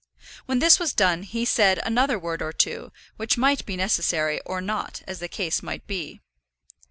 When this was done he said another word or two, which might be necessary or not, as the case might be.